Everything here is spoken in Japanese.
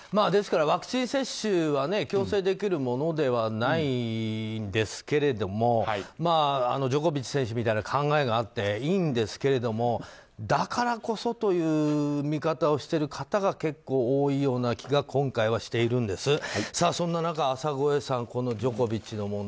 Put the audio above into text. ですから、ワクチン接種は強制できるものではないんですけれどもジョコビッチ選手みたいな考えがあってもいいんですけどもだからこそという見方をしている方が結構多いような気が今回はしているんです。